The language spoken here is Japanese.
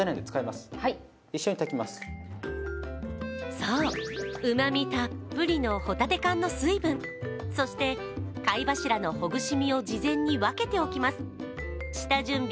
そう、うまみたっぷりのホタテ缶の水分、そして貝柱のほぐし身を事前に分けておきます。